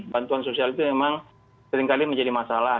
bantuan sosial itu memang seringkali menjadi masalah